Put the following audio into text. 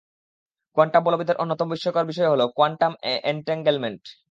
Quantum বলবিদ্যার অন্যতম বিস্ময়কর বিষয় হলো কোয়ান্টাম অ্যান্টেঙ্গেলমেন্ট।